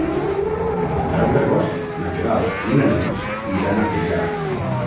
El deu d'agost na Queralt i na Neus iran a Teià.